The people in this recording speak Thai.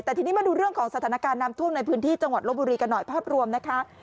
แต่ทีนี้มาดูเรื่องของสถานการณ์น้ำท่วมในพื้นที่จังหวัดลบบุรีกันหน่อยภาพรวมนะคะ